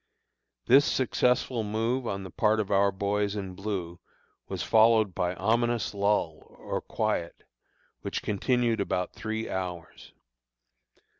This successful move on the part of our boys in blue was followed by ominous lull or quiet, which continued about three hours.